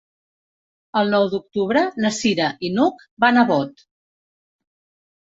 El nou d'octubre na Cira i n'Hug van a Bot.